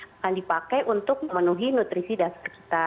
akan dipakai untuk memenuhi nutrisi dasar kita